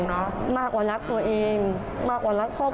มากกว่ารักตัวเองมากกว่ารักครอบครัว